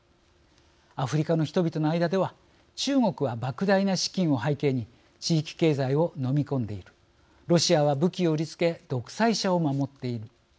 アフリカの人々の間では中国は、ばく大な資金を背景に地域経済を飲み込んでいるロシアは武器を売りつけ独裁者を守っている。